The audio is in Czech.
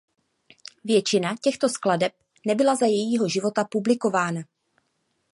Většina těchto skladeb nebyla za jejího života publikována.